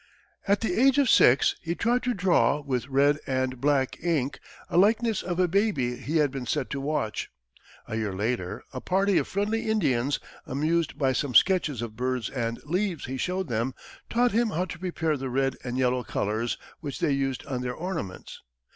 At the age of six he tried to draw, with red and black ink, a likeness of a baby he had been set to watch; a year later, a party of friendly Indians, amused by some sketches of birds and leaves he showed them, taught him how to prepare the red and yellow colors which they used on their ornaments.